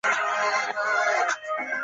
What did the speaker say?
邓弘的哥哥邓骘等人仍辞不受。